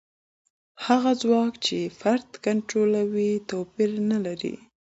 هغه ځواک چې فرد کنټرولوي توپیر نه لري.